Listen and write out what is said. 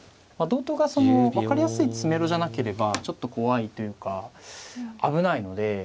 同とが分かりやすい詰めろじゃなければちょっと怖いというか危ないので。